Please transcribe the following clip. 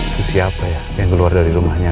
itu siapa ya yang keluar dari rumahnya